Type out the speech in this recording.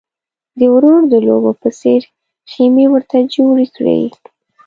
د وړو د لوبو په څېر خېمې ورته جوړې کړې.